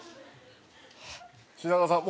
品川さん